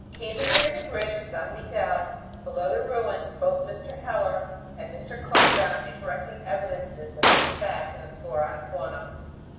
Camping near the bridge of San Miguel, below the ruins, both Mr. Heller and Mr. Cook found interesting evidences of this fact in the flora and fauna.